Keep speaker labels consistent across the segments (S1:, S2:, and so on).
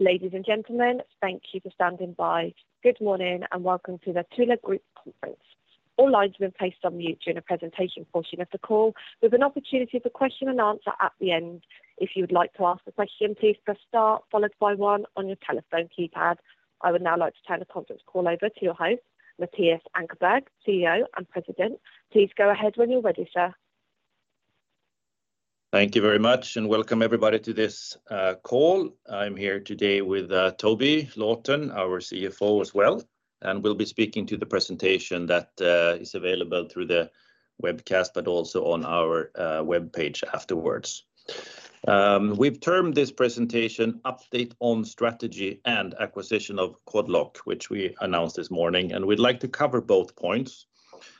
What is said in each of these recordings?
S1: Ladies and gentlemen, thank you for standing by. Good morning and welcome to the Thule Group conference. All lines have been placed on mute during the presentation portion of the call, with an opportunity for question and answer at the end. If you would like to ask a question, please press star followed by one on your telephone keypad. I would now like to turn the conference call over to your host, Mattias Ankarberg, CEO and President. Please go ahead when you're ready, sir.
S2: Thank you very much and welcome everybody to this call. I'm here today with Toby Lawton, our CFO as well, and we'll be speaking to the presentation that is available through the webcast but also on our webpage afterwards. We've termed this presentation "Update on Strategy and Acquisition of Quad Lock," which we announced this morning, and we'd like to cover both points.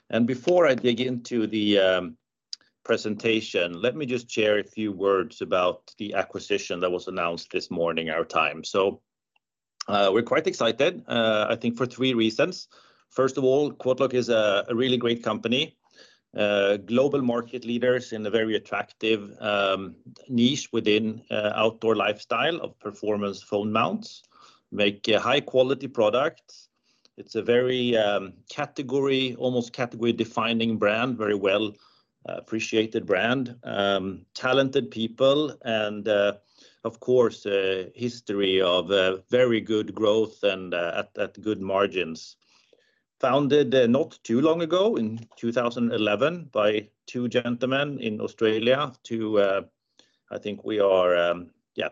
S2: And before I dig into the presentation, let me just share a few words about the acquisition that was announced this morning, our time. So we're quite excited, I think, for three reasons. First of all, Quad Lock is a really great company, global market leaders in a very attractive niche within outdoor lifestyle of performance phone mounts, make high-quality products. It's a very category, almost category-defining brand, very well-appreciated brand, talented people, and of course, a history of very good growth and at good margins. Founded not too long ago, in 2011, by two gentlemen in Australia. I think we are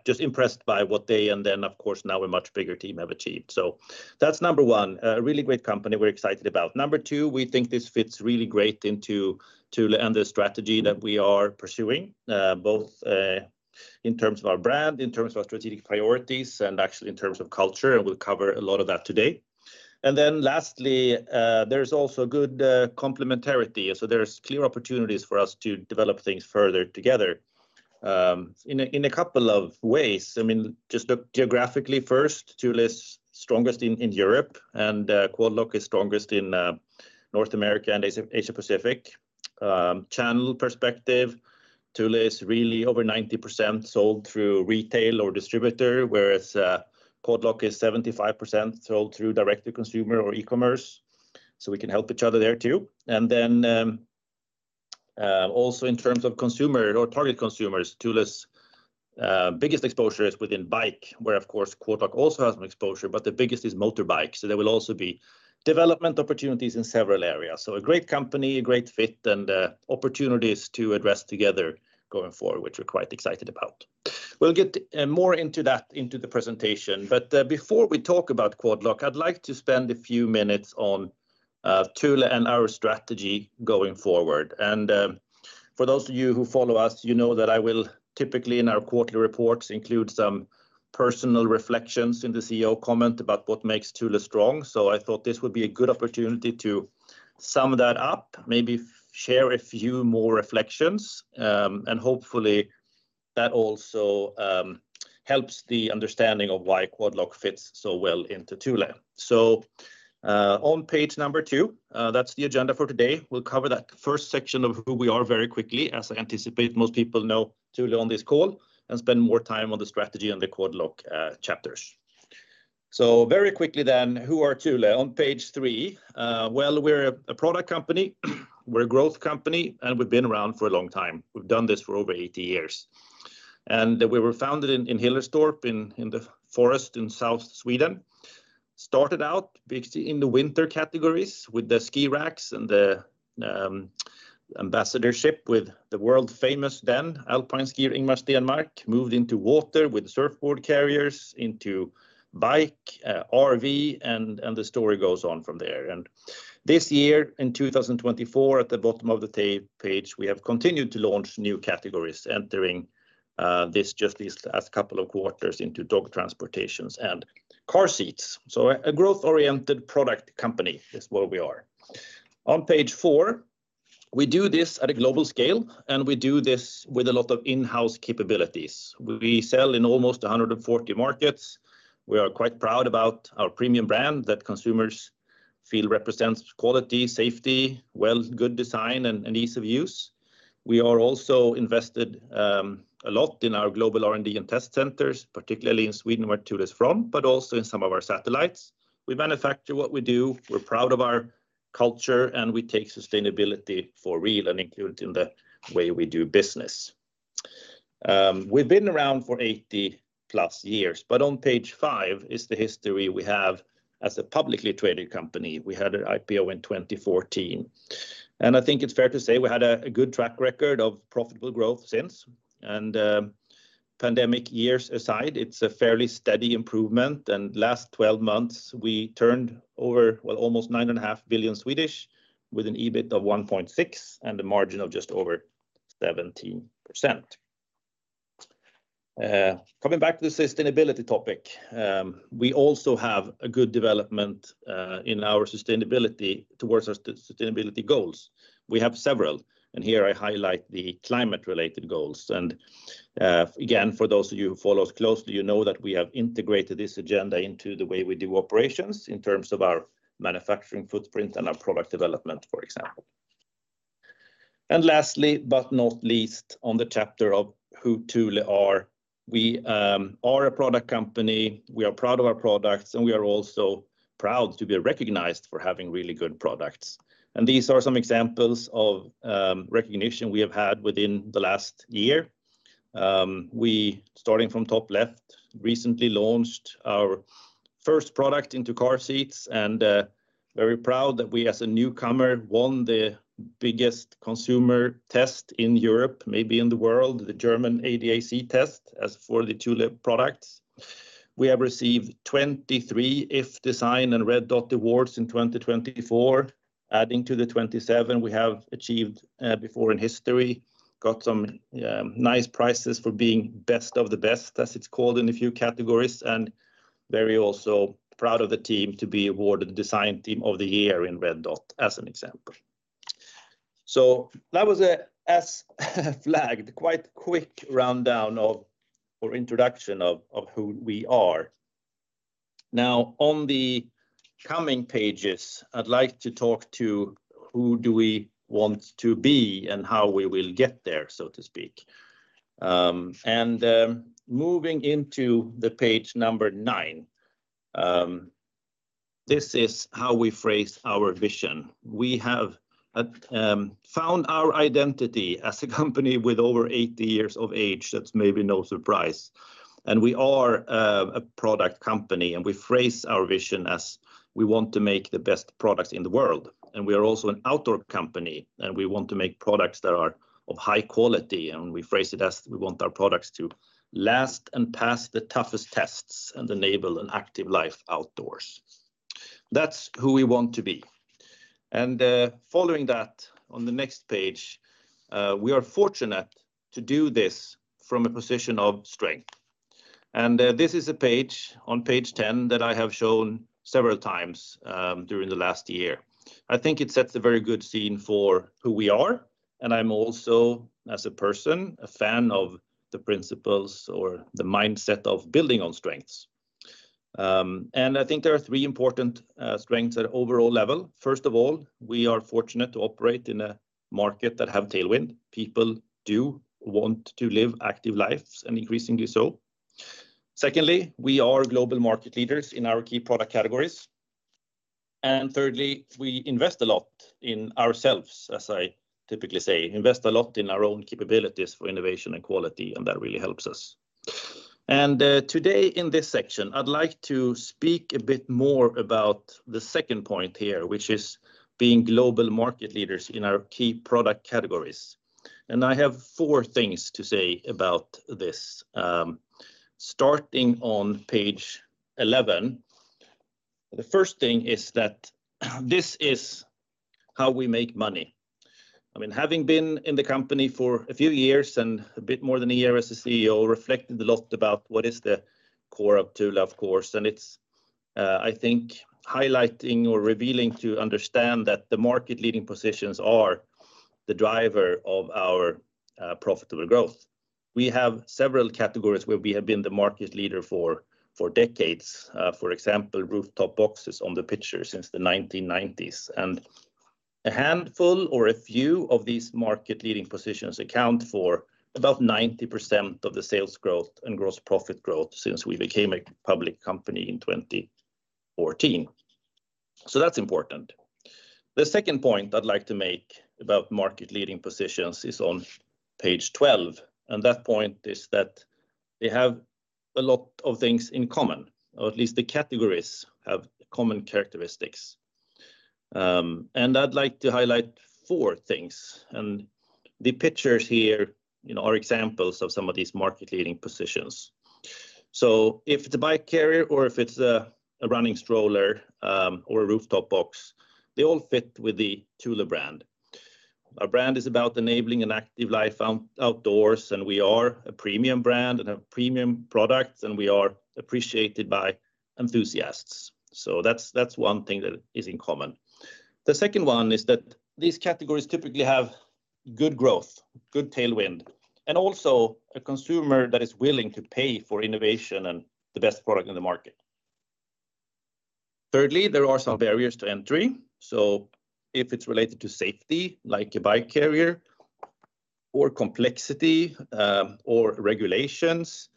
S2: just impressed by what they and then, of course, now a much bigger team have achieved. So that's number one, a really great company we're excited about. Number two, we think this fits really great into Thule and the strategy that we are pursuing, both in terms of our brand, in terms of our strategic priorities, and actually in terms of culture, and we'll cover a lot of that today, and then lastly, there's also good complementarity, so there's clear opportunities for us to develop things further together in a couple of ways. I mean, just look geographically first, Thule is strongest in Europe, and Quad Lock is strongest in North America and Asia-Pacific. Channel perspective, Thule is really over 90% sold through retail or distributor, whereas Quad Lock is 75% sold through direct-to-consumer or e-commerce. So we can help each other there too. And then also in terms of consumer or target consumers, Thule's biggest exposure is within bike, where of course Quad Lock also has an exposure, but the biggest is motorbike. So there will also be development opportunities in several areas. So a great company, a great fit, and opportunities to address together going forward, which we're quite excited about. We'll get more into that into the presentation. But before we talk about Quad Lock, I'd like to spend a few minutes on Thule and our strategy going forward. And for those of you who follow us, you know that I will typically in our quarterly reports include some personal reflections in the CEO comment about what makes Thule strong. So I thought this would be a good opportunity to sum that up, maybe share a few more reflections, and hopefully that also helps the understanding of why Quad Lock fits so well into Thule. So on page number two, that's the agenda for today. We'll cover that first section of who we are very quickly, as I anticipate most people know Thule on this call, and spend more time on the strategy and the Quad Lock chapters. So very quickly then, who are Thule? On page three, well, we're a product company, we're a growth company, and we've been around for a long time. We've done this for over 80 years. And we were founded in Hillerstorp in the forest in South Sweden. Started out in the winter categories with the ski racks and the ambassadorship with the world-famous then alpine skier Ingemar Stenmark, moved into water with surfboard carriers, into bike, RV, and the story goes on from there. This year in 2024, at the bottom of the page, we have continued to launch new categories entering this just these last couple of quarters into dog transportations and car seats. So a growth-oriented product company is what we are. On page four, we do this at a global scale, and we do this with a lot of in-house capabilities. We sell in almost 140 markets. We are quite proud about our premium brand that consumers feel represents quality, safety, well-good design, and ease of use. We are also invested a lot in our global R&D and test centers, particularly in Sweden where Thule is from, but also in some of our satellites. We manufacture what we do. We're proud of our culture, and we take sustainability for real and include it in the way we do business. We've been around for 80+ years, but on page five is the history we have as a publicly traded company. We had an IPO in 2014, and I think it's fair to say we had a good track record of profitable growth since. Pandemic years aside, it's a fairly steady improvement, and last 12 months, we turned over, well, almost 9.5 billion with an EBIT of 1.6 billion and a margin of just over 17%. Coming back to the sustainability topic, we also have a good development in our sustainability towards our sustainability goals. We have several, and here I highlight the climate-related goals, and again, for those of you who follow us closely, you know that we have integrated this agenda into the way we do operations in terms of our manufacturing footprint and our product development, for example, and lastly, but not least, on the chapter of who Thule are, we are a product company. We are proud of our products, and we are also proud to be recognized for having really good products, and these are some examples of recognition we have had within the last year. We, starting from top left, recently launched our first product into car seats, and very proud that we as a newcomer won the biggest consumer test in Europe, maybe in the world, the German ADAC test as for the Thule products. We have received 23 iF Design and Red Dot Awards in 2024, adding to the 27 we have achieved before in history. Got some nice prizes for being Best of the Best, as it's called in a few categories, and very also proud of the team to be awarded Design Team of the Year in Red Dot as an example. So that was a so-called quite quick rundown or introduction of who we are. Now, on the coming pages, I'd like to talk to who do we want to be and how we will get there, so to speak. Moving into the page number nine, this is how we phrase our vision. We have found our identity as a company with over 80 years of age. That's maybe no surprise. We are a product company, and we phrase our vision as we want to make the best products in the world. We are also an outdoor company, and we want to make products that are of high quality. We phrase it as we want our products to last and pass the toughest tests and enable an active life outdoors. That's who we want to be. Following that, on the next page, we are fortunate to do this from a position of strength. This is a page on page 10 that I have shown several times during the last year. I think it sets a very good scene for who we are. I'm also, as a person, a fan of the principles or the mindset of building on strengths. I think there are three important strengths at an overall level. First of all, we are fortunate to operate in a market that has tailwind. People do want to live active lives and increasingly so. Secondly, we are global market leaders in our key product categories. And thirdly, we invest a lot in ourselves, as I typically say, invest a lot in our own capabilities for innovation and quality, and that really helps us. And today in this section, I'd like to speak a bit more about the second point here, which is being global market leaders in our key product categories. And I have four things to say about this. Starting on page 11, the first thing is that this is how we make money. I mean, having been in the company for a few years and a bit more than a year as a CEO, reflected a lot about what is the core of Thule, of course. It's, I think, highlighting or revealing to understand that the market-leading positions are the driver of our profitable growth. We have several categories where we have been the market leader for decades. For example, rooftop boxes on the picture since the 1990s. A handful or a few of these market-leading positions account for about 90% of the sales growth and gross profit growth since we became a public company in 2014. That's important. The second point I'd like to make about market-leading positions is on page 12. That point is that they have a lot of things in common, or at least the categories have common characteristics. I'd like to highlight four things. The pictures here are examples of some of these market-leading positions. So if it's a bike carrier or if it's a running stroller or a rooftop box, they all fit with the Thule brand. Our brand is about enabling an active life outdoors, and we are a premium brand and a premium product, and we are appreciated by enthusiasts. So that's one thing that is in common. The second one is that these categories typically have good growth, good tailwind, and also a consumer that is willing to pay for innovation and the best product in the market. Thirdly, there are some barriers to entry. So if it's related to safety, like a bike carrier, or complexity, or regulations,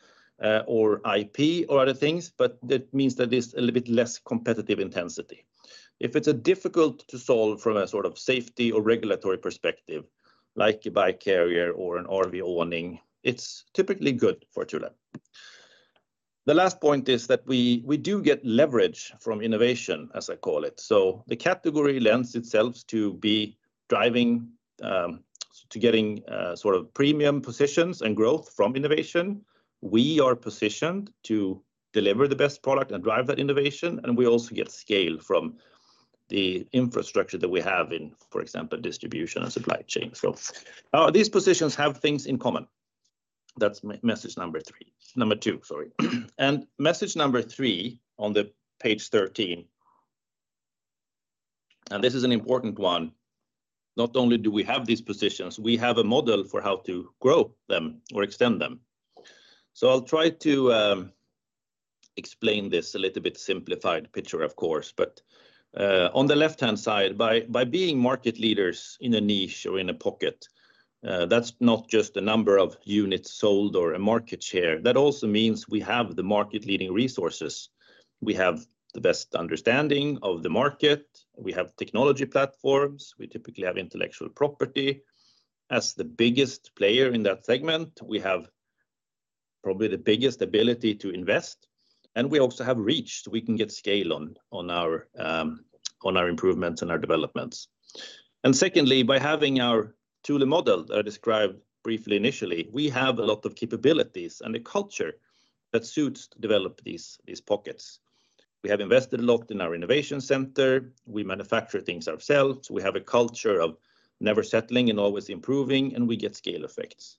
S2: or IP, or other things, but that means that there's a little bit less competitive intensity. If it's difficult to solve from a sort of safety or regulatory perspective, like a bike carrier or an RV awning, it's typically good for Thule. The last point is that we do get leverage from innovation, as I call it. So the category lends itself to driving to getting sort of premium positions and growth from innovation. We are positioned to deliver the best product and drive that innovation. And we also get scale from the infrastructure that we have in, for example, distribution and supply chain. So these positions have things in common. That's message number three. Number two, sorry. And message number three on page 13. And this is an important one. Not only do we have these positions, we have a model for how to grow them or extend them. So I'll try to explain this a little bit simplified picture, of course. But on the left-hand side, by being market leaders in a niche or in a pocket, that's not just the number of units sold or a market share. That also means we have the market-leading resources. We have the best understanding of the market. We have technology platforms. We typically have intellectual property as the biggest player in that segment. We have probably the biggest ability to invest. And we also have reach. We can get scale on our improvements and our developments. And secondly, by having our Thule model that I described briefly initially, we have a lot of capabilities and a culture that suits to develop these pockets. We have invested a lot in our innovation center. We manufacture things ourselves. We have a culture of never settling and always improving, and we get scale effects.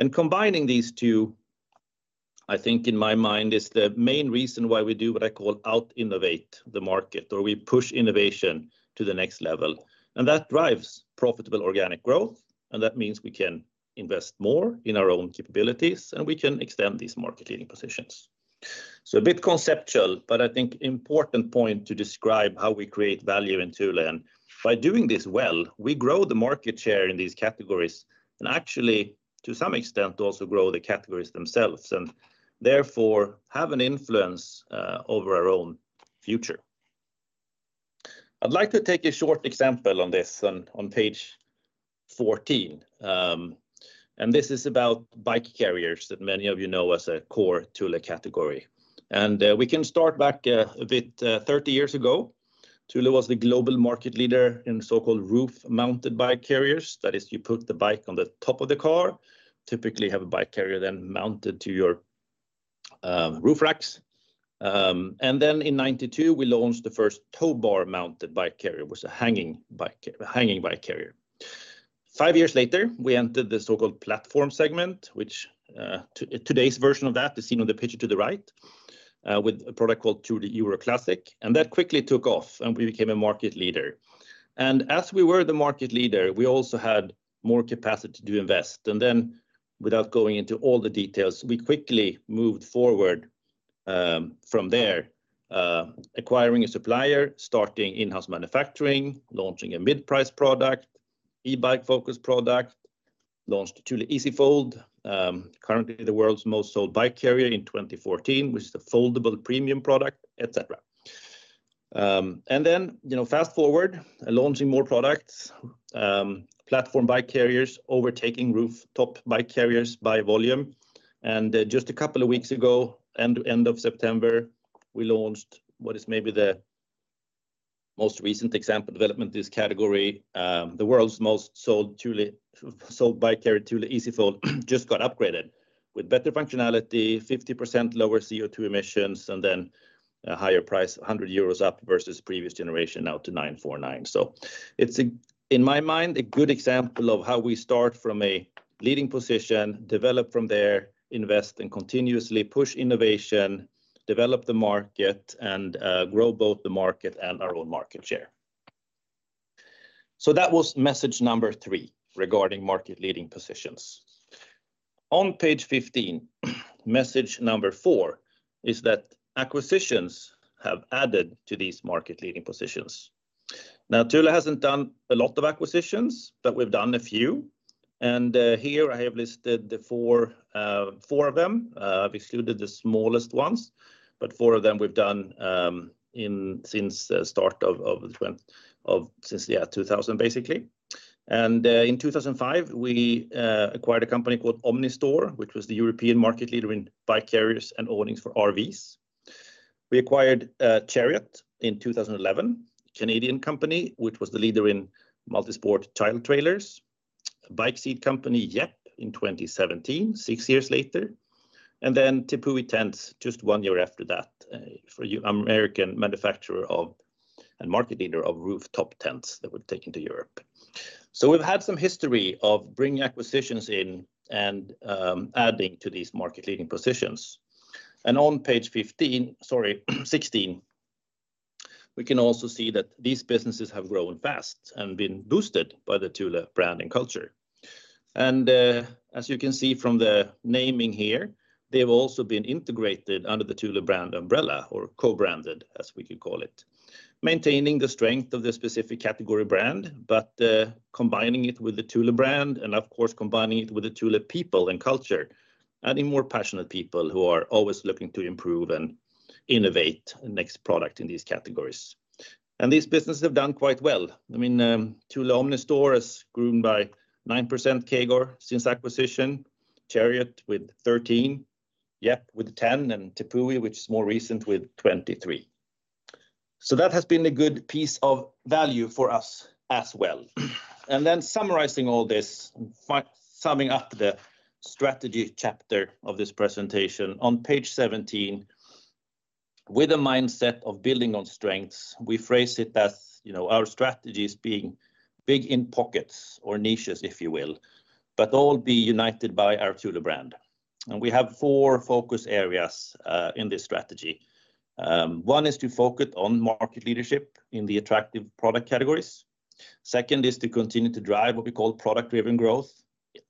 S2: And combining these two, I think in my mind, is the main reason why we do what I call out-innovate the market, or we push innovation to the next level. And that drives profitable organic growth. That means we can invest more in our own capabilities, and we can extend these market-leading positions. So a bit conceptual, but I think important point to describe how we create value in Thule. And by doing this well, we grow the market share in these categories and actually, to some extent, also grow the categories themselves and therefore have an influence over our own future. I'd like to take a short example on this on page 14. And this is about bike carriers that many of you know as a core Thule category. And we can start back a bit 30 years ago. Thule was the global market leader in so-called roof-mounted bike carriers. That is, you put the bike on the top of the car, typically have a bike carrier then mounted to your roof racks. In 1992, we launched the first tow bar-mounted bike carrier, which was a hanging bike carrier. Five years later, we entered the so-called platform segment, which today's version of that is seen on the picture to the right with a product called Thule EuroClassic. That quickly took off, and we became a market leader. As we were the market leader, we also had more capacity to invest. Without going into all the details, we quickly moved forward from there, acquiring a supplier, starting in-house manufacturing, launching a mid-price product, e-bike-focused product, launched Thule EasyFold, currently the world's most sold bike carrier in 2014, which is a foldable premium product, etc. Fast forward, launching more products, platform bike carriers overtaking rooftop bike carriers by volume. Just a couple of weeks ago, end of September, we launched what is maybe the most recent example development of this category, the world's most sold bike carrier, Thule EasyFold, just got upgraded with better functionality, 50% lower CO2 emissions, and then a higher price, 100 euros up versus previous generation now to 949. So it's, in my mind, a good example of how we start from a leading position, develop from there, invest, and continuously push innovation, develop the market, and grow both the market and our own market share. So that was message number three regarding market-leading positions. On page 15, message number four is that acquisitions have added to these market-leading positions. Now, Thule hasn't done a lot of acquisitions, but we've done a few. And here I have listed the four of them. I've excluded the smallest ones, but four of them we've done since the start of 2000, basically. And in 2005, we acquired a company called Omnistor, which was the European market leader in bike carriers and awnings for RVs. We acquired Chariot in 2011, a Canadian company which was the leader in multi-sport child trailers, a bike seat company, Yepp, in 2017, six years later. And then Tepui, just one year after that, an American manufacturer and market leader of rooftop tents that were taken to Europe. So we've had some history of bringing acquisitions in and adding to these market-leading positions. And on page 15, sorry, 16, we can also see that these businesses have grown fast and been boosted by the Thule brand and culture. As you can see from the naming here, they've also been integrated under the Thule brand umbrella or co-branded, as we could call it, maintaining the strength of the specific category brand, but combining it with the Thule brand and, of course, combining it with the Thule people and culture and more passionate people who are always looking to improve and innovate the next product in these categories. These businesses have done quite well. I mean, Thule Omnistor has grown by 9% CAGR since acquisition, Chariot with 13%, Yepp with 10%, and Tepui, which is more recent, with 23%. That has been a good piece of value for us as well. And then summarizing all this, summing up the strategy chapter of this presentation, on page 17, with a mindset of building on strengths, we phrase it as our strategies being big in pockets or niches, if you will, but all be united by our Thule brand. And we have four focus areas in this strategy. One is to focus on market leadership in the attractive product categories. Second is to continue to drive what we call product-driven growth,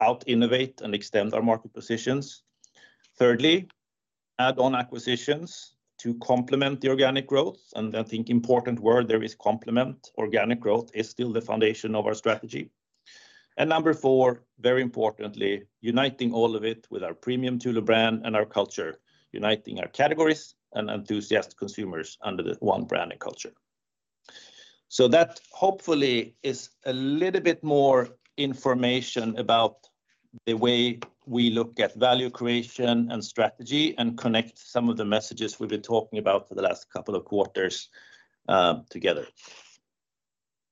S2: out-innovate and extend our market positions. Thirdly, add on acquisitions to complement the organic growth. And I think an important word there is complement. Organic growth is still the foundation of our strategy. And number four, very importantly, uniting all of it with our premium Thule brand and our culture, uniting our categories and enthusiast consumers under the one brand and culture. So that hopefully is a little bit more information about the way we look at value creation and strategy and connect some of the messages we've been talking about for the last couple of quarters together.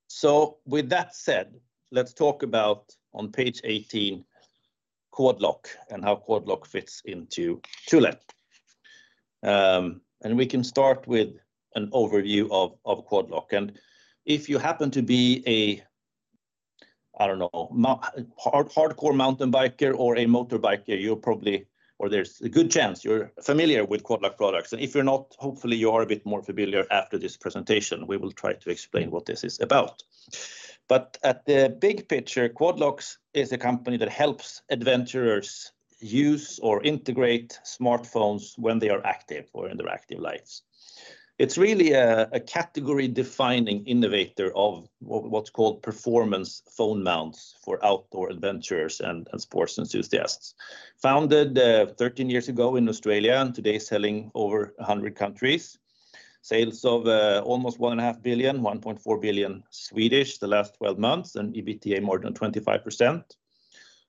S2: So with that said, let's talk about, on page 18, Quad Lock and how Quad Lock fits into Thule. And we can start with an overview of Quad Lock. And if you happen to be a, I don't know, hardcore mountain biker or a motorbiker, you're probably, or there's a good chance you're familiar with Quad Lock products. And if you're not, hopefully you are a bit more familiar after this presentation. We will try to explain what this is about. But at the big picture, Quad Lock is a company that helps adventurers use or integrate smartphones when they are active or in their active lives. It's really a category-defining innovator of what's called performance phone mounts for outdoor adventurers and sports enthusiasts. Founded 13 years ago in Australia and today selling over 100 countries. Sales of almost 1.5 billion, 1.4 billion the last 12 months and EBITDA more than 25%.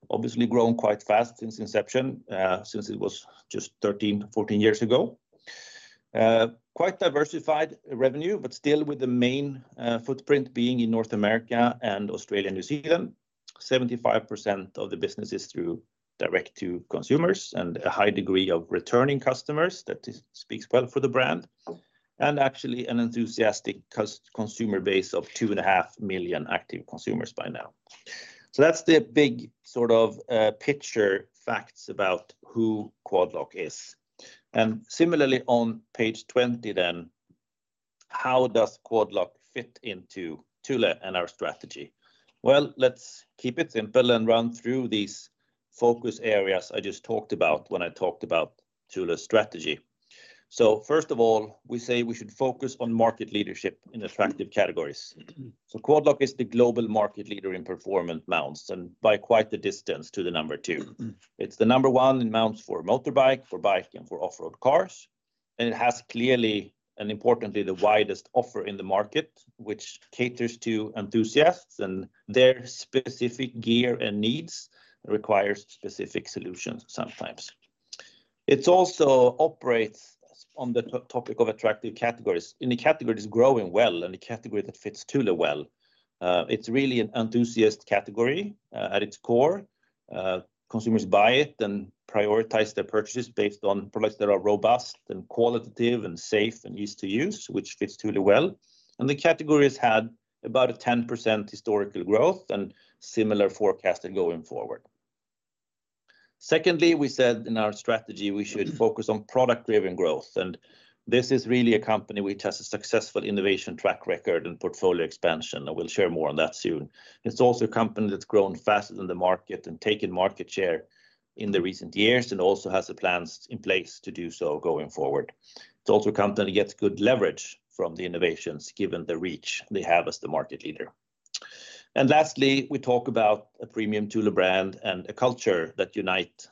S2: Obviously grown quite fast since inception, since it was just 13, 14 years ago. Quite diversified revenue, but still with the main footprint being in North America and Australia, New Zealand. 75% of the business is through direct-to-consumer and a high degree of returning customers that speaks well for the brand. Actually an enthusiastic consumer base of two and a half million active consumers by now. So that's the big sort of picture facts about who Quad Lock is. Similarly on page 20 then, how does Quad Lock fit into Thule and our strategy? Let's keep it simple and run through these focus areas I just talked about when I talked about Thule's strategy. First of all, we say we should focus on market leadership in attractive categories. Quad Lock is the global market leader in performance mounts and by quite the distance to the number two. It's the number one in mounts for motorbike, for bike, and for off-road cars. And it has clearly and importantly the widest offer in the market, which caters to enthusiasts and their specific gear and needs requires specific solutions sometimes. It also operates on the topic of attractive categories. In the categories growing well and the category that fits Thule well, it's really an enthusiast category at its core. Consumers buy it and prioritize their purchases based on products that are robust and qualitative and safe and easy to use, which fits Thule well. The category has had about a 10% historical growth and similar forecasts going forward. Secondly, we said in our strategy we should focus on product-driven growth. This is really a company which has a successful innovation track record and portfolio expansion. We'll share more on that soon. It's also a company that's grown faster than the market and taken market share in the recent years and also has the plans in place to do so going forward. It's also a company that gets good leverage from the innovations given the reach they have as the market leader. Lastly, we talk about a premium Thule brand and a culture that unites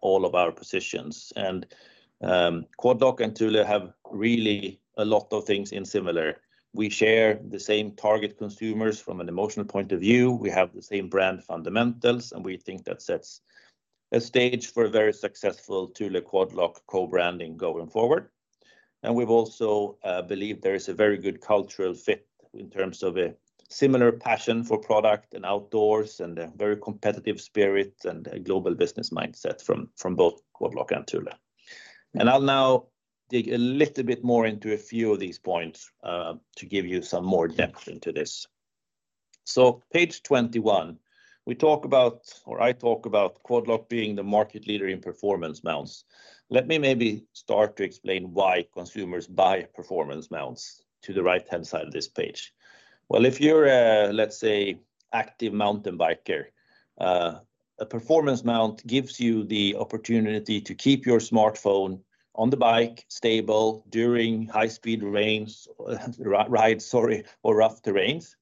S2: all of our positions. Quad Lock and Thule have really a lot of things in common. We share the same target consumers from an emotional point of view. We have the same brand fundamentals, and we think that sets a stage for a very successful Thule Quad Lock co-branding going forward, and we've also believed there is a very good cultural fit in terms of a similar passion for product and outdoors and a very competitive spirit and a global business mindset from both Quad Lock and Thule, and I'll now dig a little bit more into a few of these points to give you some more depth into this, so page 21, we talk about, or I talk about Quad Lock being the market leader in performance mounts. Let me maybe start to explain why consumers buy performance mounts to the right-hand side of this page, well, if you're a, let's say, active mountain biker, a performance mount gives you the opportunity to keep your smartphone on the bike stable during high-speed rides, sorry, or rough terrains.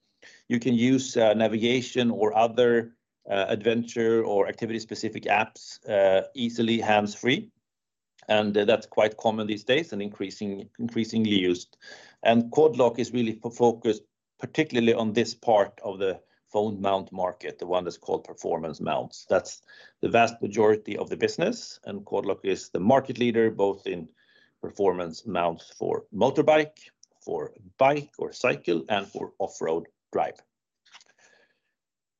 S2: You can use navigation or other adventure or activity-specific apps easily hands-free. And that's quite common these days and increasingly used. And Quad Lock is really focused particularly on this part of the phone mount market, the one that's called performance mounts. That's the vast majority of the business. And Quad Lock is the market leader both in performance mounts for motorbike, for bike or cycle, and for off-road drive.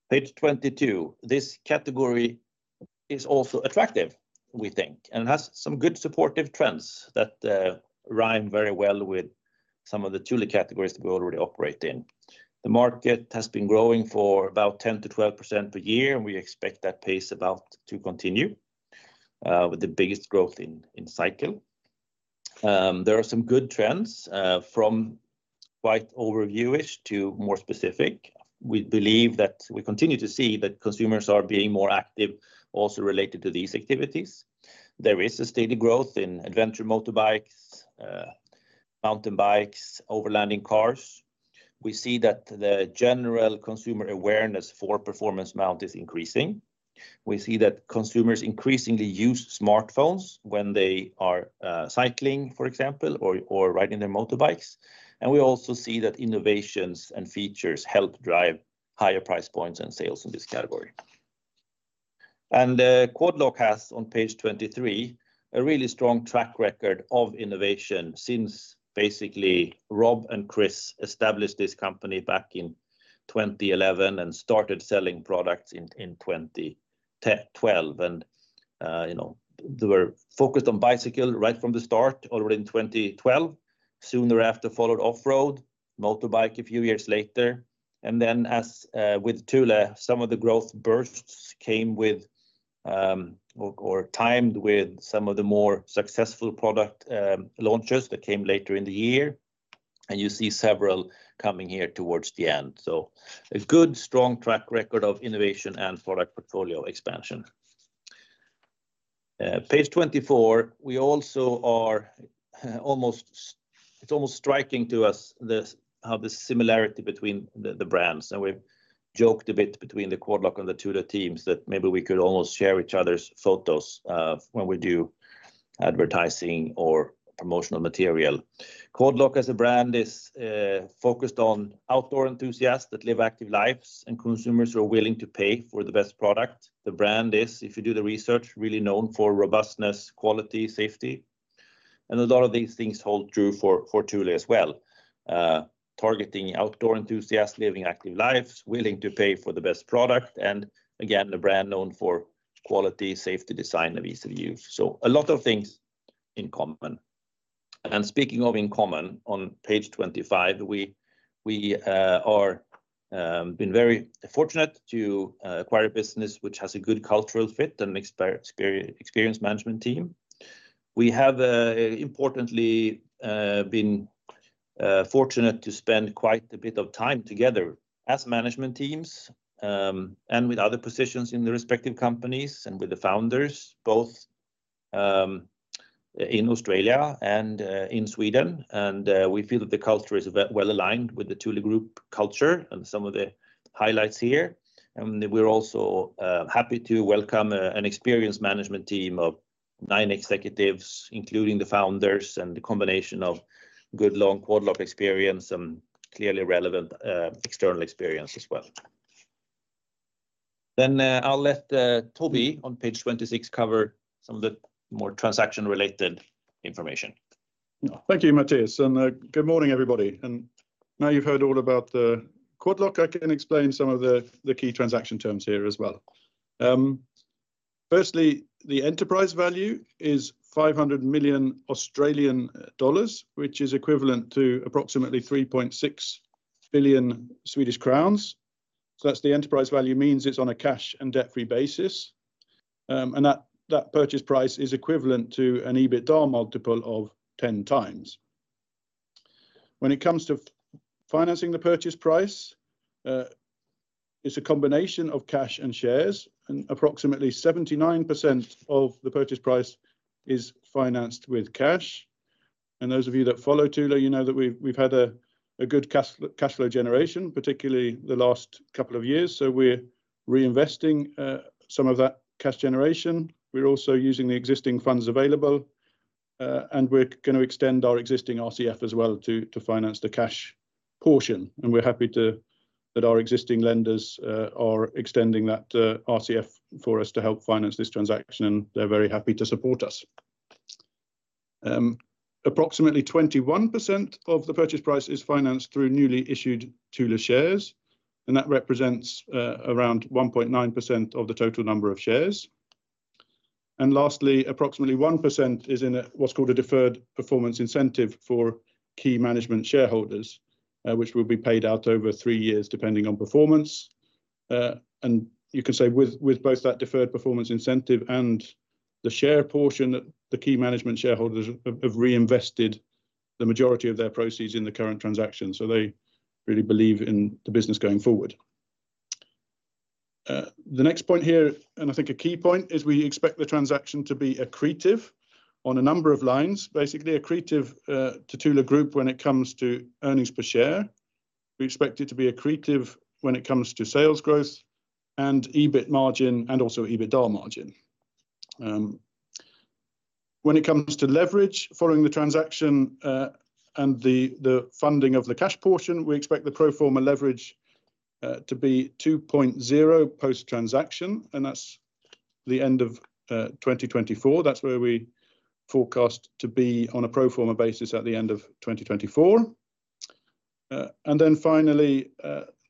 S2: Page 22, this category is also attractive, we think, and has some good supportive trends that rhyme very well with some of the Thule categories that we already operate in. The market has been growing for about 10%-12% per year, and we expect that pace about to continue with the biggest growth in cycle. There are some good trends from quite overview-ish to more specific. We believe that we continue to see that consumers are being more active also related to these activities. There is a steady growth in adventure motorbikes, mountain bikes, overlanding cars. We see that the general consumer awareness for performance mount is increasing. We see that consumers increasingly use smartphones when they are cycling, for example, or riding their motorbikes, and we also see that innovations and features help drive higher price points and sales in this category. Quad Lock has on page 23 a really strong track record of innovation since basically Rob and Chris established this company back in 2011 and started selling products in 2012, and they were focused on bicycle right from the start already in 2012. Soon thereafter followed off-road, motorbike a few years later. And then as with Thule, some of the growth bursts came with or timed with some of the more successful product launches that came later in the year. And you see several coming here towards the end. So a good strong track record of innovation and product portfolio expansion. Page 24. It's almost striking to us how the similarity between the brands. And we've joked a bit between the Quad Lock and the Thule teams that maybe we could almost share each other's photos when we do advertising or promotional material. Quad Lock as a brand is focused on outdoor enthusiasts that live active lives and consumers who are willing to pay for the best product. The brand is, if you do the research, really known for robustness, quality, safety. And a lot of these things hold true for Thule as well. Targeting outdoor enthusiasts living active lives, willing to pay for the best product. And again, the brand known for quality, safety, design, and ease of use. So a lot of things in common. And speaking of in common, on page 25, we have been very fortunate to acquire a business which has a good cultural fit and experienced management team. We have importantly been fortunate to spend quite a bit of time together as management teams and with other positions in the respective companies and with the founders, both in Australia and in Sweden. And we feel that the culture is well aligned with the Thule Group culture and some of the highlights here. And we're also happy to welcome an experienced management team of nine executives, including the founders and the combination of good long Quad Lock experience and clearly relevant external experience as well. Then I'll let Toby on page 26 cover some of the more transaction-related information.
S3: Thank you, Mattias. And good morning, everybody. And now you've heard all about Quad Lock, I can explain some of the key transaction terms here as well. Firstly, the enterprise value is 500 million Australian dollars, which is equivalent to approximately 3.6 billion Swedish crowns. So that's the enterprise value means it's on a cash and debt-free basis. And that purchase price is equivalent to an EBITDA multiple of 10x. When it comes to financing the purchase price, it's a combination of cash and shares. And approximately 79% of the purchase price is financed with cash. And those of you that follow Thule, you know that we've had a good cash flow generation, particularly the last couple of years. So we're reinvesting some of that cash generation. We're also using the existing funds available. And we're going to extend our existing RCF as well to finance the cash portion. And we're happy that our existing lenders are extending that RCF for us to help finance this transaction. And they're very happy to support us. Approximately 21% of the purchase price is financed through newly issued Thule shares. And that represents around 1.9% of the total number of shares. And lastly, approximately 1% is in what's called a deferred performance incentive for key management shareholders, which will be paid out over three years depending on performance. And you can say with both that deferred performance incentive and the share portion, the key management shareholders have reinvested the majority of their proceeds in the current transaction. So they really believe in the business going forward. The next point here, and I think a key point, is we expect the transaction to be accretive on a number of lines. Basically, accretive to Thule Group when it comes to earnings per share. We expect it to be accretive when it comes to sales growth and EBIT margin and also EBITDA margin. When it comes to leverage following the transaction and the funding of the cash portion, we expect the pro forma leverage to be 2.0x post-transaction, and that's the end of 2024. That's where we forecast to be on a pro forma basis at the end of 2024, and then finally,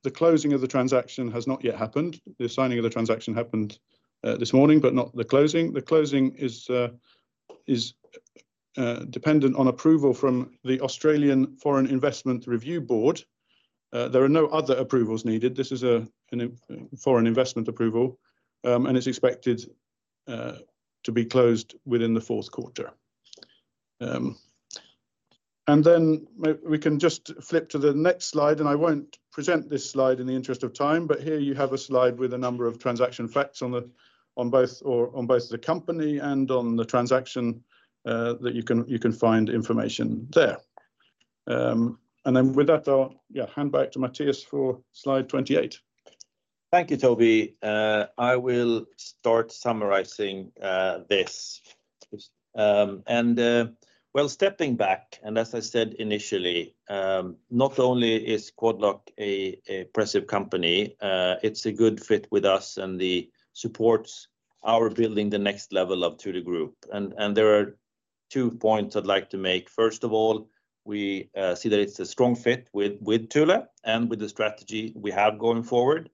S3: the closing of the transaction has not yet happened. The signing of the transaction happened this morning, but not the closing. The closing is dependent on approval from the Australian Foreign Investment Review Board. There are no other approvals needed. This is a foreign investment approval. It's expected to be closed within the fourth quarter. And then we can just flip to the next slide. And I won't present this slide in the interest of time. But here you have a slide with a number of transaction facts on both the company and on the transaction that you can find information there. And then with that, I'll hand back to Mattias for slide 28.
S2: Thank you, Toby. I will start summarizing this. And while stepping back, and as I said initially, not only is Quad Lock an accretive company, it's a good fit with us and supports our building the next level of Thule Group. And there are two points I'd like to make. First of all, we see that it's a strong fit with Thule and with the strategy we have going forward.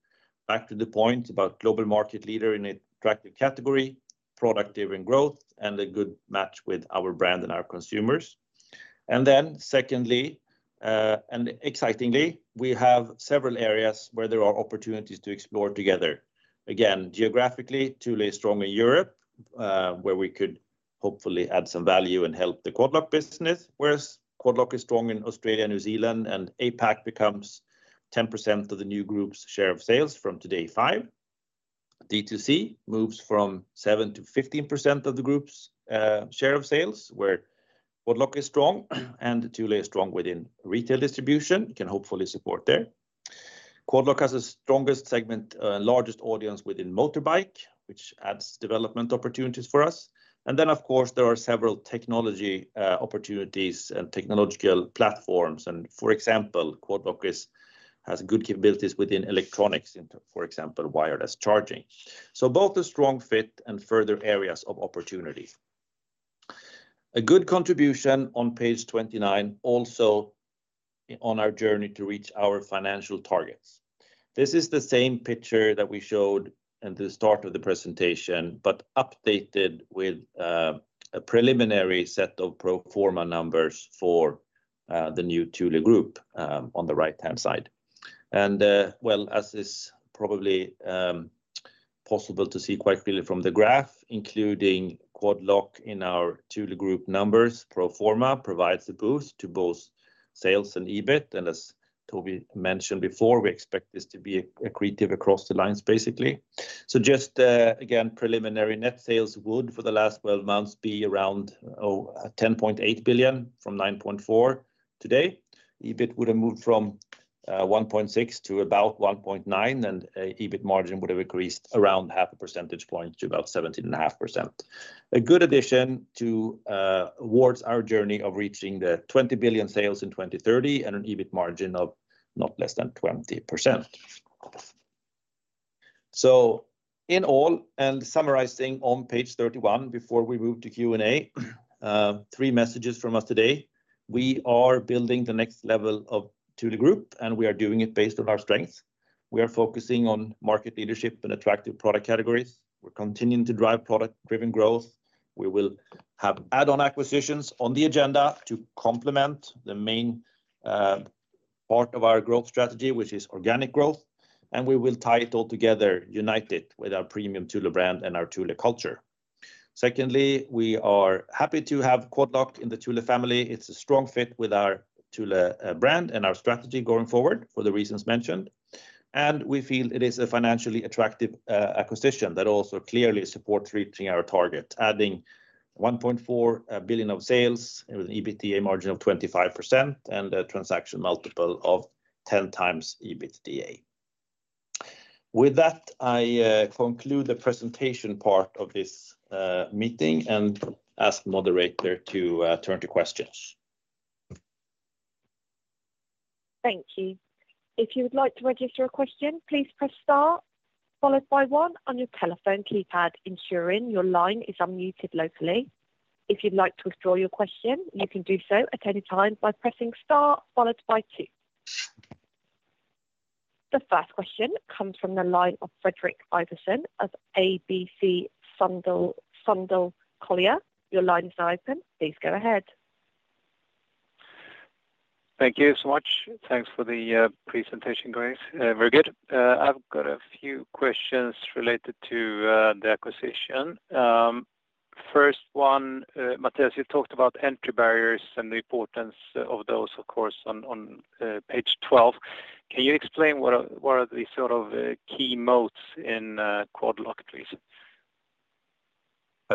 S2: Back to the point about global market leader in an attractive category, productive in growth, and a good match with our brand and our consumers. Then secondly, and excitingly, we have several areas where there are opportunities to explore together. Again, geographically, Thule is strong in Europe, where we could hopefully add some value and help the Quad Lock business, whereas Quad Lock is strong in Australia, New Zealand, and APAC becomes 10% of the new group's share of sales, from 5% today. DTC moves from 7% to 15% of the group's share of sales, where Quad Lock is strong and Thule is strong within retail distribution. You can hopefully support there. Quad Lock has the strongest segment and largest audience within motorbike, which adds development opportunities for us. Then, of course, there are several technology opportunities and technological platforms. For example, Quad Lock has good capabilities within electronics, for example, wireless charging. Both a strong fit and further areas of opportunity. A good contribution on page 29 also on our journey to reach our financial targets. This is the same picture that we showed at the start of the presentation, but updated with a preliminary set of pro forma numbers for the new Thule Group on the right-hand side. Well, as is probably possible to see quite clearly from the graph, including Quad Lock in our Thule Group numbers, pro forma provides a boost to both sales and EBIT. As Toby mentioned before, we expect this to be accretive across the lines, basically. Just again, preliminary net sales would for the last 12 months be around 10.8 billion from 9.4 billion today. EBIT would have moved from 1.6 billion to about 1.9 billion, and EBIT margin would have increased around 0.5 percentage point to about 17.5%. A good addition towards our journey of reaching the 20 billion sales in 2030 and an EBIT margin of not less than 20%. So in all, and summarizing on page 31 before we move to Q&A, three messages from us today. We are building the next level of Thule Group, and we are doing it based on our strengths. We are focusing on market leadership and attractive product categories. We're continuing to drive product-driven growth. We will have add-on acquisitions on the agenda to complement the main part of our growth strategy, which is organic growth. And we will tie it all together, unite it with our premium Thule brand and our Thule culture. Secondly, we are happy to have Quad Lock in the Thule family. It's a strong fit with our Thule brand and our strategy going forward for the reasons mentioned. And we feel it is a financially attractive acquisition that also clearly supports reaching our target, adding 1.4 billion of sales with an EBITDA margin of 25% and a transaction multiple of 10x EBITDA. With that, I conclude the presentation part of this meeting and ask the moderator to turn to questions.
S1: Thank you. If you would like to register a question, please press star, followed by one on your telephone keypad, ensuring your line is unmuted locally. If you'd like to withdraw your question, you can do so at any time by pressing star, followed by two. The first question comes from the line of Fredrik Ivarsson of ABG Sundal Collier. Your line is now open. Please go ahead.
S4: Thank you so much. Thanks for the presentation, guys. Very good. I've got a few questions related to the acquisition. First one, Mattias, you talked about entry barriers and the importance of those, of course, on page 12. Can you explain what are the sort of key moats in Quad Lock, please?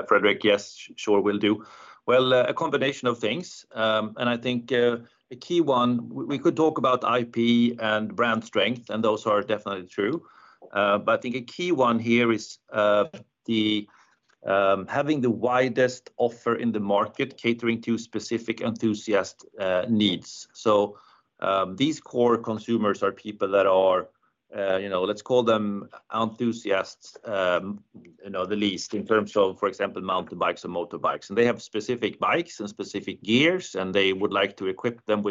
S2: Fredrik, yes, sure will do. Well, a combination of things. And I think a key one, we could talk about IP and brand strength, and those are definitely true. But I think a key one here is having the widest offer in the market, catering to specific enthusiast needs. So these core consumers are people that are, let's call them enthusiasts, at least in terms of, for example, mountain bikes and motorbikes. And they have specific bikes and specific gears, and they would like to equip them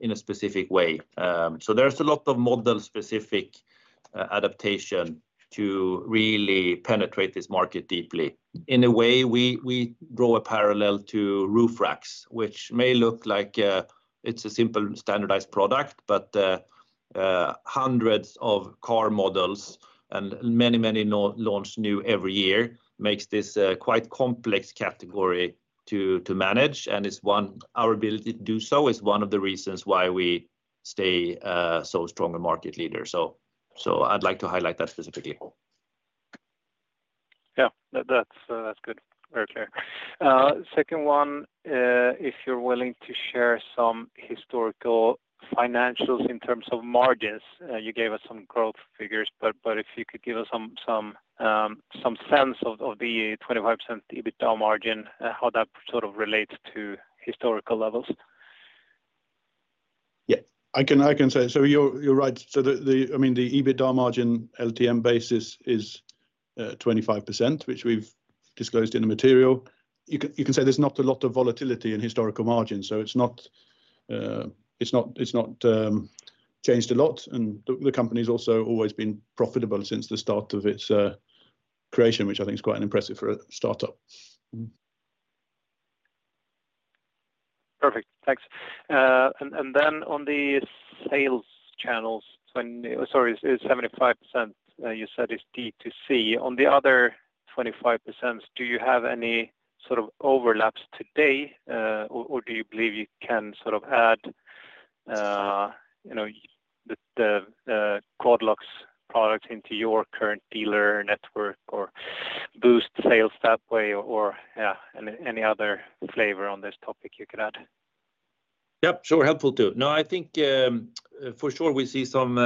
S2: in a specific way. So there's a lot of model-specific adaptation to really penetrate this market deeply. In a way, we draw a parallel to roof racks, which may look like it's a simple standardized product, but hundreds of car models and many, many launch new every year makes this quite complex category to manage. And our ability to do so is one of the reasons why we stay so strong a market leader. So I'd like to highlight that specifically.
S4: Yeah, that's good. Very clear. Second one, if you're willing to share some historical financials in terms of margins, you gave us some growth figures, but if you could give us some sense of the 25% EBITDA margin, how that sort of relates to historical levels?
S3: Yeah, I can say. So you're right. So I mean, the EBITDA margin LTM base is 25%, which we've disclosed in the material. You can say there's not a lot of volatility in historical margins. So it's not changed a lot. And the company has also always been profitable since the start of its creation, which I think is quite impressive for a startup.
S4: Perfect. Thanks. And then on the sales channels, sorry, it's 75%, you said it's DTC. On the other 25%, do you have any sort of overlaps today, or do you believe you can sort of add the Quad Lock's products into your current dealer network or boost sales that way, or any other flavor on this topic you could add?
S2: Yep, sure. Helpful too. No, I think for sure we see some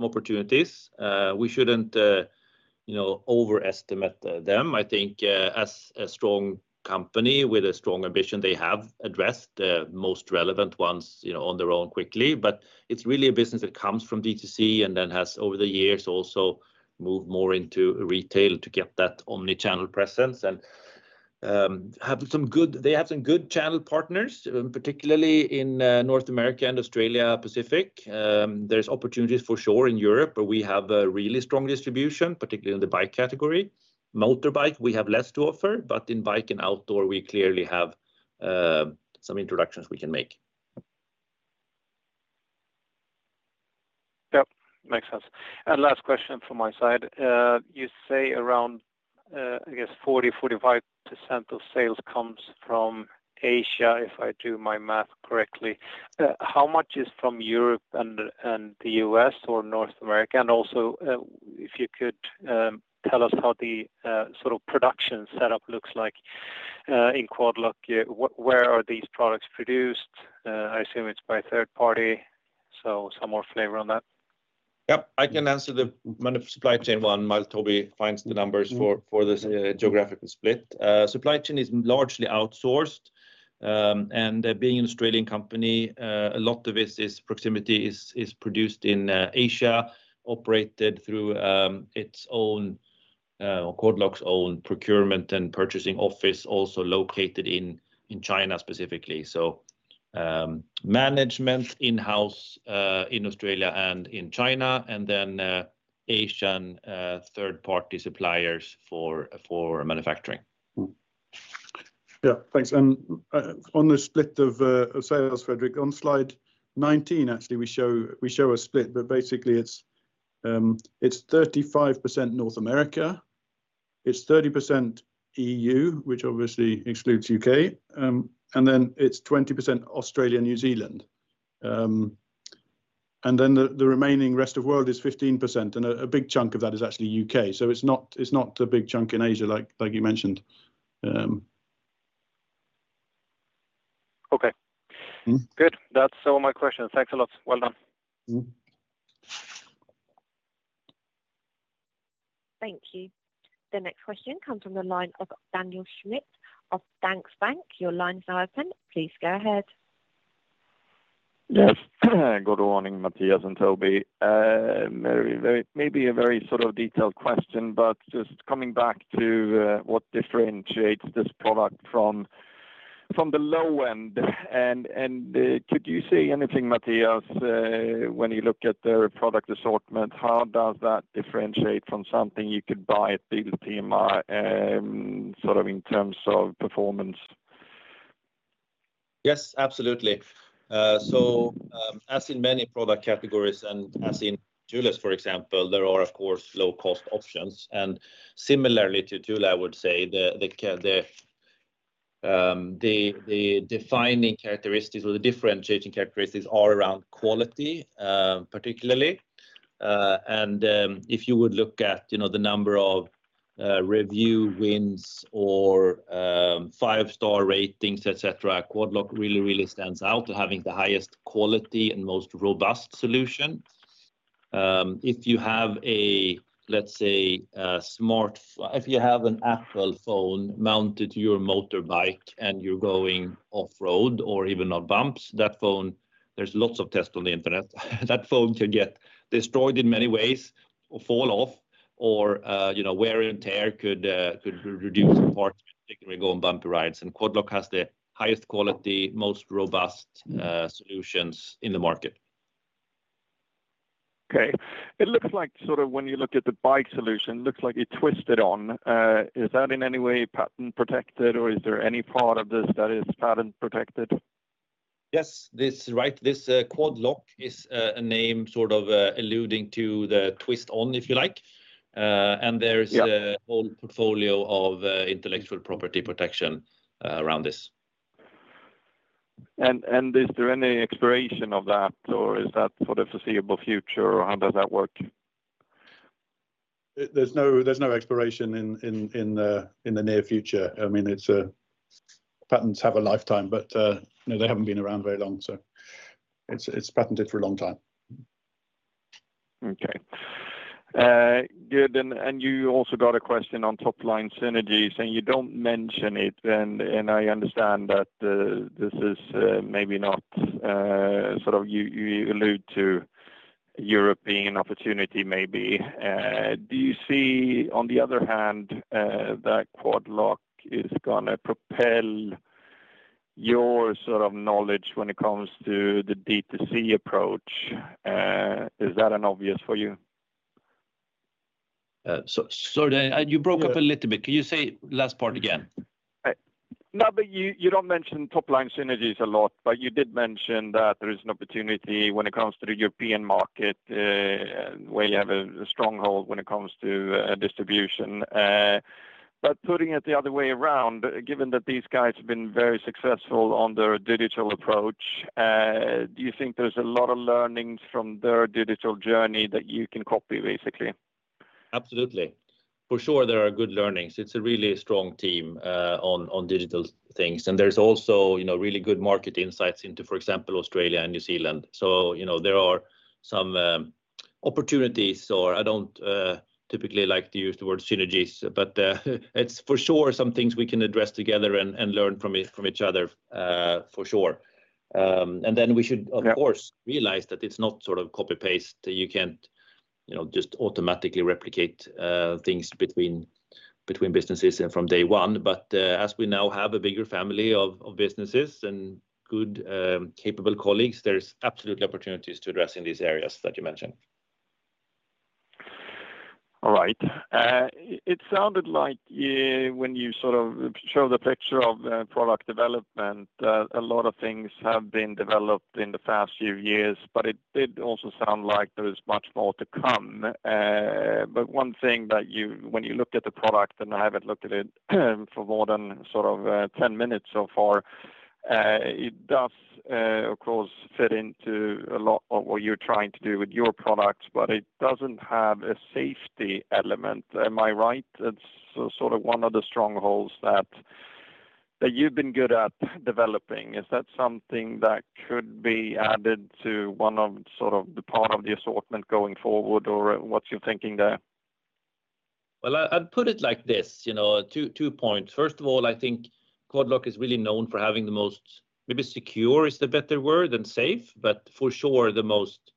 S2: opportunities. We shouldn't overestimate them. I think as a strong company with a strong ambition, they have addressed the most relevant ones on their own quickly. But it's really a business that comes from DTC and then has over the years also moved more into retail to get that omnichannel presence, and they have some good channel partners, particularly in North America and Asia-Pacific. There's opportunities for sure in Europe, but we have a really strong distribution, particularly in the bike category. Motorbike, we have less to offer, but in bike and outdoor, we clearly have some introductions we can make.
S4: Yep, makes sense. And last question from my side. You say around, I guess, 40%-45% of sales comes from Asia, if I do my math correctly. How much is from Europe and the U.S. or North America? And also, if you could tell us how the sort of production setup looks like in Quad Lock, where are these products produced? I assume it's by third party, so some more flavor on that.
S2: Yep, I can answer the supply chain one. Toby finds the numbers for the geographical split. Supply chain is largely outsourced. And being an Australian company, a lot of this production is produced in Asia, operated through its own Quad Lock's own procurement and purchasing office, also located in China specifically. So management in-house in Australia and in China, and then Asian third-party suppliers for manufacturing.
S3: Yeah, thanks. And on the split of sales, Fredrik, on slide 19, actually, we show a split, but basically, it's 35% North America, it's 30% E.U., which obviously excludes the U.K., and then it's 20% Australia and New Zealand. And then the remaining rest of the world is 15%, and a big chunk of that is actually U.K. So it's not a big chunk in Asia, like you mentioned.
S4: Okay. Good. That's all my questions. Thanks a lot. Well done.
S1: Thank you. The next question comes from the line of Daniel Schmidt of Danske Bank. Your line is now open. Please go ahead.
S5: Yes. Good morning, Mattias and Toby. Maybe a very sort of detailed question, but just coming back to what differentiates this product from the low end. And could you say anything, Mattias, when you look at their product assortment, how does that differentiate from something you could buy at Biltema sort of in terms of performance?
S2: Yes, absolutely. So as in many product categories and as in Thule's, for example, there are, of course, low-cost options. And similarly to Thule, I would say the defining characteristics or the differentiating characteristics are around quality, particularly. If you would look at the number of review wins or five-star ratings, etc., Quad Lock really, really stands out for having the highest quality and most robust solution. If you have a, let's say, smartphone if you have an Apple phone mounted to your motorbike and you're going off-road or even on bumps, that phone, there's lots of tests on the internet. That phone can get destroyed in many ways or fall off, or wear and tear could reduce the parts particularly going bumpy rides. Quad Lock has the highest quality, most robust solutions in the market.
S5: Okay. It looks like sort of when you look at the bike solution, it looks like it's twisted on. Is that in any way patent-protected, or is there any part of this that is patent-protected?
S2: Yes, this is right. This Quad Lock is a name sort of alluding to the twist-on, if you like. And there's a whole portfolio of intellectual property protection around this.
S5: And is there any expiration of that, or is that for the foreseeable future, or how does that work?
S3: There's no expiration in the near future. I mean, patents have a lifetime, but they haven't been around very long, so it's patented for a long time.
S5: Okay. Good. And you also got a question on top-line synergies, and you don't mention it. And I understand that this is maybe not sort of you allude to European opportunity, maybe. Do you see, on the other hand, that Quad Lock is going to propel your sort of knowledge when it comes to the DTC approach? Is that obvious for you?
S2: Sorry, Daniel, you broke up a little bit. Can you say last part again?
S5: No, but you don't mention top-line synergies a lot, but you did mention that there is an opportunity when it comes to the European market, where you have a stronghold when it comes to distribution. But putting it the other way around, given that these guys have been very successful on their digital approach, do you think there's a lot of learnings from their digital journey that you can copy, basically?
S2: Absolutely. For sure, there are good learnings. It's a really strong team on digital things. And there's also really good market insights into, for example, Australia and New Zealand. So there are some opportunities, or I don't typically like to use the word synergies, but it's for sure some things we can address together and learn from each other, for sure. And then we should, of course, realize that it's not sort of copy-paste. You can't just automatically replicate things between businesses from day one. But as we now have a bigger family of businesses and good, capable colleagues, there's absolutely opportunities to address in these areas that you mentioned.
S5: All right. It sounded like when you sort of showed the picture of product development, a lot of things have been developed in the past few years, but it did also sound like there is much more to come. But one thing that when you look at the product, and I haven't looked at it for more than sort of 10 minutes so far, it does, of course, fit into a lot of what you're trying to do with your products, but it doesn't have a safety element. Am I right? It's sort of one of the strongholds that you've been good at developing. Is that something that could be added to one of sort of the part of the assortment going forward, or what's your thinking there?
S2: Well, I'd put it like this, two points. First of all, I think Quad Lock is really known for having the most, maybe secure is the better word than safe, but for sure, the most,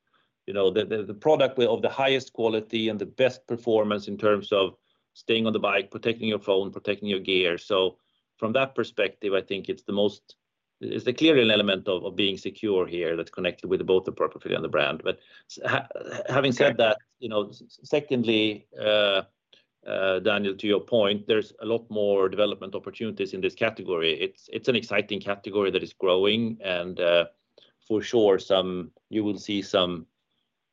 S2: the product of the highest quality and the best performance in terms of staying on the bike, protecting your phone, protecting your gear. So from that perspective, I think it's the most, it's clearly an element of being secure here that's connected with both the purpose and the brand. But having said that, secondly, Daniel, to your point, there's a lot more development opportunities in this category. It's an exciting category that is growing. For sure, you will see some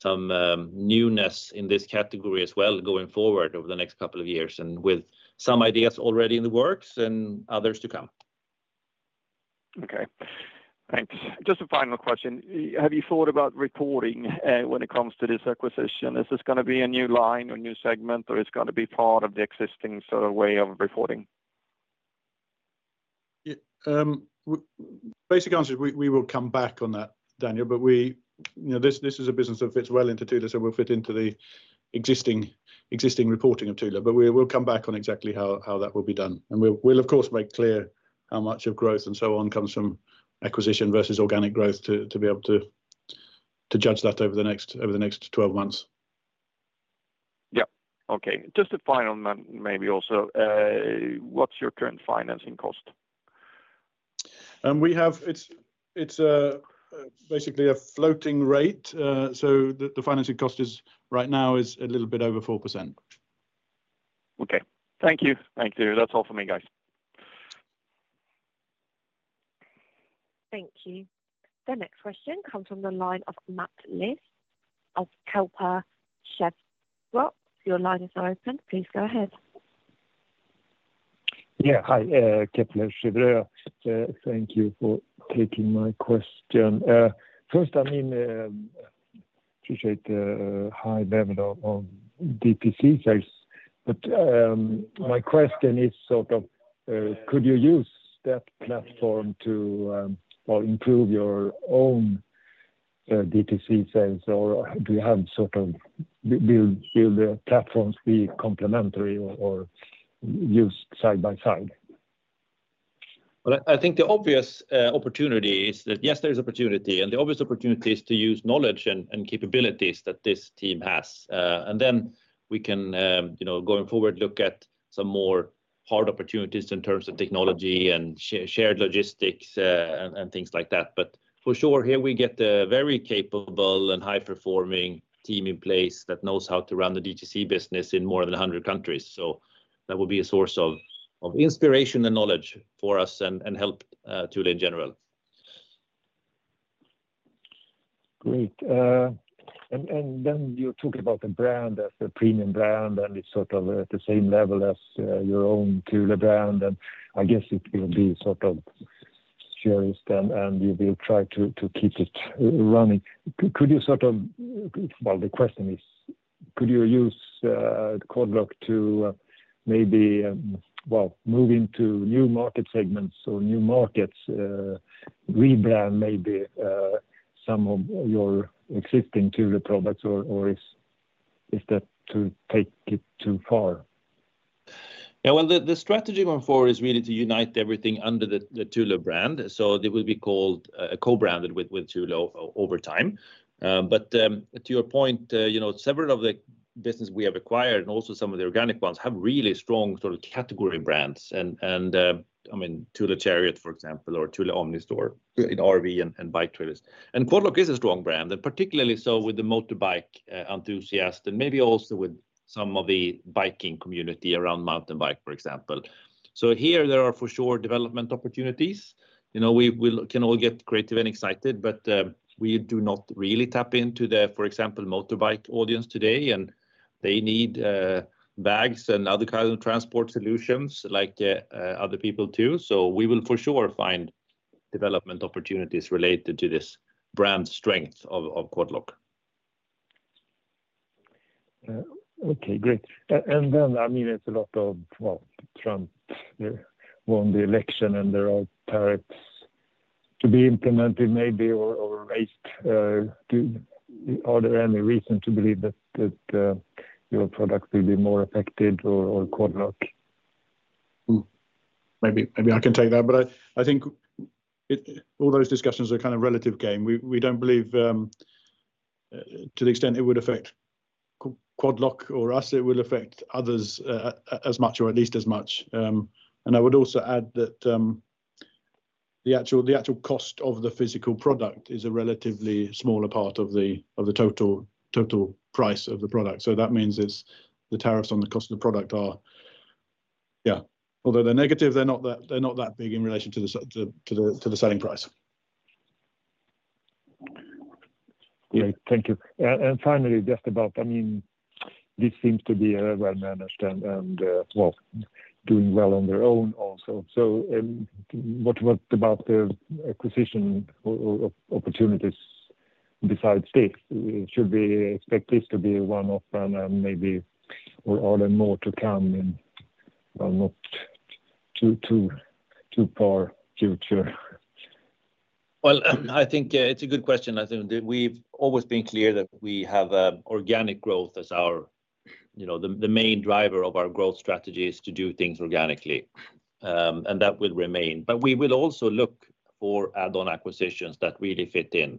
S2: newness in this category as well going forward over the next couple of years and with some ideas already in the works and others to come.
S5: Okay. Thanks. Just a final question. Have you thought about reporting when it comes to this acquisition? Is this going to be a new line or new segment, or it's going to be part of the existing sort of way of reporting?
S3: Basic answer, we will come back on that, Daniel, but this is a business that fits well into Thule, so it will fit into the existing reporting of Thule. But we will come back on exactly how that will be done. We'll, of course, make clear how much of growth and so on comes from acquisition versus organic growth to be able to judge that over the next 12 months.
S5: Yep. Okay. Just a final one, maybe also. What's your current financing cost?
S3: We have basically a floating rate. So the financing cost right now is a little bit over 4%.
S5: Okay. Thank you. Thank you. That's all for me, guys.
S1: Thank you. The next question comes from the line of Mats Liss of Kepler Cheuvreux. Your line is now open. Please go ahead.
S6: Yeah. Hi, Kepler Cheuvreux. Thank you for taking my question. First, I mean, appreciate the high level of DTC sales. But my question is sort of, could you use that platform to improve your own DTC sales, or do you have sort of will the platforms be complementary or used side by side?
S2: Well, I think the obvious opportunity is that, yes, there is opportunity. And the obvious opportunity is to use knowledge and capabilities that this team has. And then we can, going forward, look at some more hard opportunities in terms of technology and shared logistics and things like that. But for sure, here we get a very capable and high-performing team in place that knows how to run the DTC business in more than 100 countries. So that will be a source of inspiration and knowledge for us and help Thule in general.
S6: Great. And then you talk about the brand as a premium brand, and it's sort of at the same level as your own Thule brand. And I guess it will be sort of insurance, and you will try to keep it running. Could you sort of, well, the question is, could you use Quad Lock to maybe, well, move into new market segments or new markets, rebrand maybe some of your existing Thule products, or is that to take it too far?
S2: Yeah. The strategy going forward is really to unite everything under the Thule brand. It will be called co-branded with Thule over time. But to your point, several of the businesses we have acquired and also some of the organic ones have really strong sort of category brands. And I mean, Thule Chariot, for example, or Thule Omnistor, in RV and bike trailers. And Quad Lock is a strong brand, and particularly so with the motorbike enthusiasts, and maybe also with some of the biking community around mountain bike, for example. Here, there are for sure development opportunities. We can all get creative and excited, but we do not really tap into the, for example, motorbike audience today, and they need bags and other kinds of transport solutions like other people do. We will for sure find development opportunities related to this brand strength of Quad Lock.
S6: Okay. Great. And then, I mean, it's a lot of, well, Trump won the election, and there are tariffs to be implemented maybe or raised. Are there any reason to believe that your product will be more affected or Quad Lock?
S3: Maybe I can take that, but I think all those discussions are kind of relative game. We don't believe, to the extent it would affect Quad Lock or us, it will affect others as much or at least as much. And I would also add that the actual cost of the physical product is a relatively smaller part of the total price of the product. So that means the tariffs on the cost of the product are, yeah, although they're negative, they're not that big in relation to the selling price.
S6: Yeah. Thank you. And finally, just about, I mean, this seems to be well-managed and, well, doing well on their own also. So what about the acquisition opportunities besides this? Should we expect this to be one of them and maybe, or are there more to come in, well, not too far future?
S2: Well, I think it's a good question. I think we've always been clear that we have organic growth as our main driver of our growth strategy is to do things organically. And that will remain. But we will also look for add-on acquisitions that really fit in.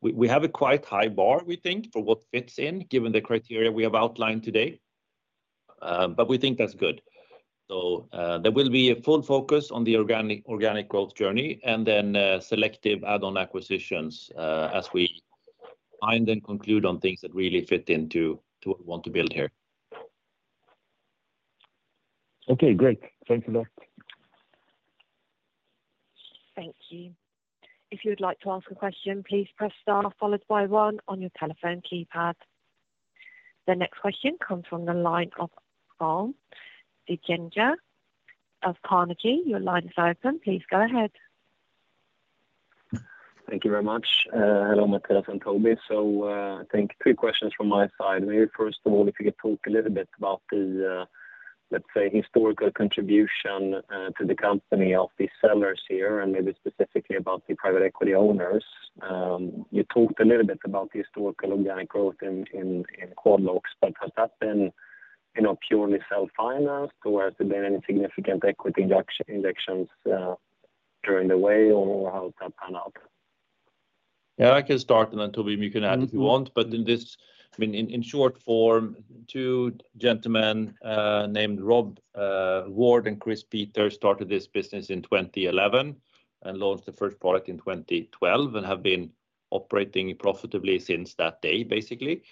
S2: We have a quite high bar, we think, for what fits in, given the criteria we have outlined today. But we think that's good. So there will be a full focus on the organic growth journey and then selective add-on acquisitions as we find and conclude on things that really fit into what we want to build here.
S6: Okay. Great. Thanks a lot.
S1: Thank you. If you'd like to ask a question, please press star followed by one on your telephone keypad. The next question comes from the line of Carl Deijenberg of Carnegie. Your line is open. Please go ahead.
S7: Thank you very much. Hello, Mattias and Toby. So I think three questions from my side. Maybe first of all, if you could talk a little bit about the, let's say, historical contribution to the company of these sellers here, and maybe specifically about the private equity owners. You talked a little bit about the historical organic growth in Quad Lock, but has that been purely self-financed, or has there been any significant equity injections along the way, or how has that panned out?
S2: Yeah, I can start, and then Toby, you can add if you want. But in short form, two gentlemen named Rob Ward and Chris Peters started this business in 2011 and launched the first product in 2012 and have been operating profitably since that day, basically.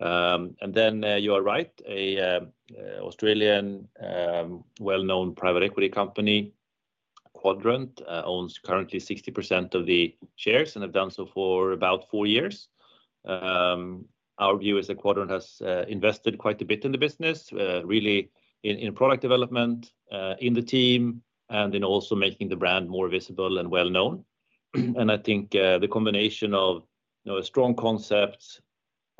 S2: And then you are right, an Australian well-known private equity company, Quadrant, owns currently 60% of the shares and have done so for about four years. Our view is that Quadrant has invested quite a bit in the business, really in product development, in the team, and in also making the brand more visible and well-known. And I think the combination of strong concepts,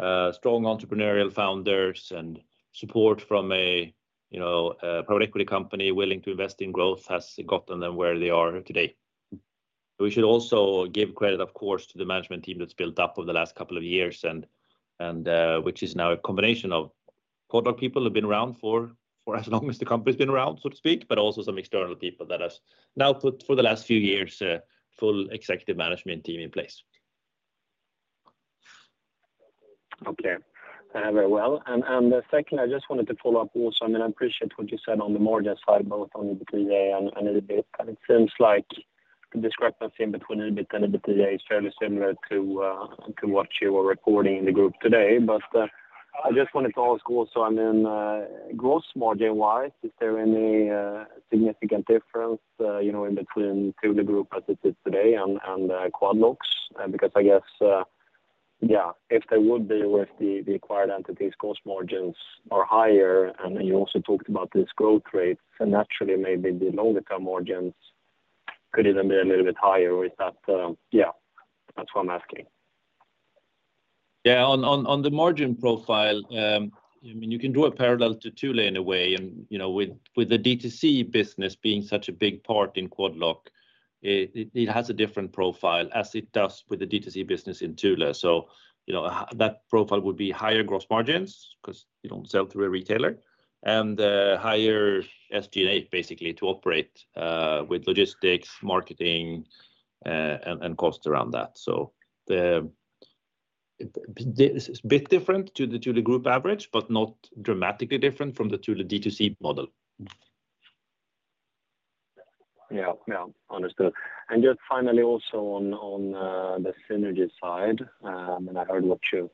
S2: strong entrepreneurial founders, and support from a private equity company willing to invest in growth has gotten them where they are today. We should also give credit, of course, to the management team that's built up over the last couple of years, which is now a combination of Quad Lock people who have been around for as long as the company's been around, so to speak, but also some external people that have now put, for the last few years, a full executive management team in place.
S7: Okay. Very well. And secondly, I just wanted to follow up also. I mean, I appreciate what you said on the margin side, both on EBITDA and EBIT. And it seems like the discrepancy between EBIT and EBITDA is fairly similar to what you were reporting in the group today. But I just wanted to ask also, I mean, gross margin-wise, is there any significant difference in between Thule Group as it is today and Quad Lock? Because I guess, yeah, if there would be with the acquired entities, gross margins are higher, and you also talked about these growth rates, and naturally, maybe the longer-term margins could even be a little bit higher. Yeah, that's what I'm asking.
S2: Yeah. On the margin profile, I mean, you can draw a parallel to Thule in a way. And with the DTC business being such a big part in Quad Lock, it has a different profile as it does with the DTC business in Thule. So that profile would be higher gross margins because you don't sell through a retailer, and higher SG&A, basically, to operate with logistics, marketing, and costs around that. So it's a bit different to the Thule Group average, but not dramatically different from the Thule DTC model.
S7: Yeah. Yeah. Understood. Just finally, also on the synergy side, I mean, I heard what you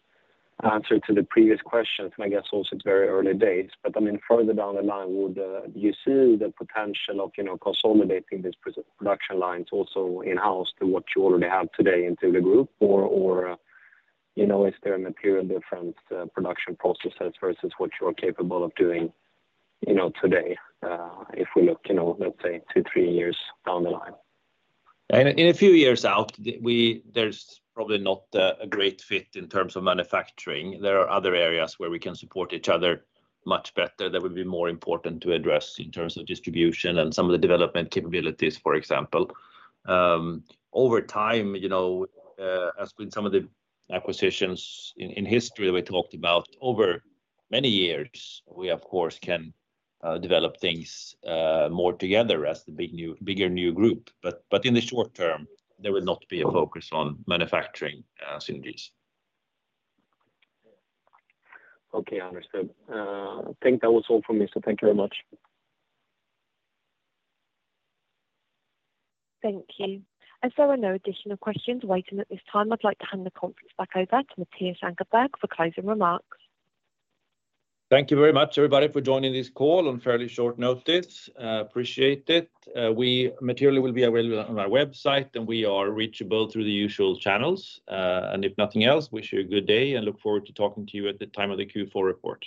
S7: answered to the previous questions, and I guess also it's very early days. But I mean, further down the line, would you see the potential of consolidating these production lines also in-house to what you already have today in Thule Group, or is there a material difference production processes versus what you are capable of doing today if we look, let's say, two, three years down the line?
S2: In a few years out, there's probably not a great fit in terms of manufacturing. There are other areas where we can support each other much better that would be more important to address in terms of distribution and some of the development capabilities, for example. Over time, as with some of the acquisitions in history that we talked about, over many years, we, of course, can develop things more together as the bigger new group. But in the short term, there will not be a focus on manufacturing synergies.
S7: Okay. Understood. I think that was all from me, so thank you very much.
S1: Thank you. If there are no additional questions waiting at this time, I'd like to hand the conference back over to Mattias Ankarberg for closing remarks.
S2: Thank you very much, everybody, for joining this call on fairly short notice. Appreciate it. Materials will be available on our website, and we are reachable through the usual channels, and if nothing else, wish you a good day and look forward to talking to you at the time of the Q4 report.